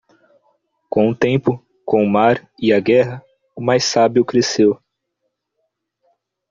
Com o tempo, com o mar e a guerra, o mais sábio cresceu.